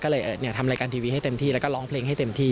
ก็เลยทำรายการทีวีให้เต็มที่แล้วก็ร้องเพลงให้เต็มที่